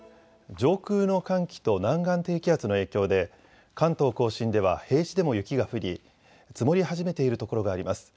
上空の寒気と南岸低気圧の影響で関東甲信では平地でも雪が降り積もり始めている所があります。